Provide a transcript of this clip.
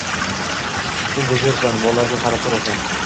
Sen dejursan, mollarga qarab turasan.